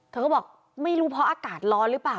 เธอก็บอกไม่รู้เพราะอากาศร้อนหรือเปล่า